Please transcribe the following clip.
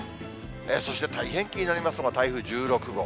そして大変気になりますのが、台風１６号。